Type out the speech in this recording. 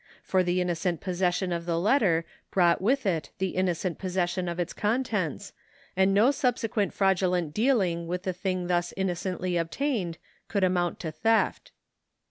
For the innocent possession of the letter brought with it tlie innocent possession of its contents, and no subsequent fraudulent dealing with the thing thus innocently obtained could amount to theft.